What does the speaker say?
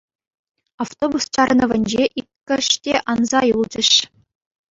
Автобус чарӑнӑвӗнче иккӗш те анса юлчӗҫ.